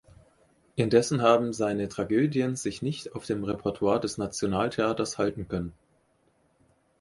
Indessen haben seine Tragödien sich nicht auf dem Repertoire des Nationaltheaters halten können.